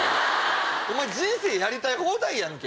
お前人生やりたい放題やんけ。